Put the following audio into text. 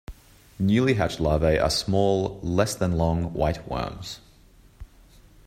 Newly hatched larvae are small, less than long, white worms.